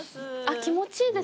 気持ちいいですね。